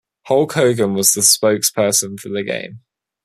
Hulk Hogan was the spokesperson for the game.